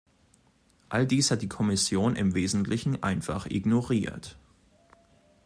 All dies hat die Kommission im Wesentlichen einfach ignoriert.